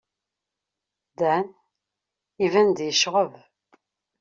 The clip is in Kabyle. Dan iban-d yecɣeb.